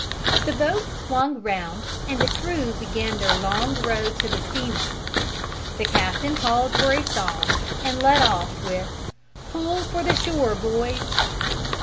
The boat swung round and the crew began their long row to the steamer; the captain called for a song and led off with "Pull for the shore, boys."